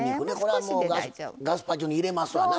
これはもうガスパチョに入れますわな。